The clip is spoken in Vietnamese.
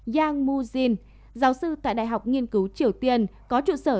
yang mu jin giáo sư tại đại học nghiên cứu triều tiên có trụ sở tại seoul nói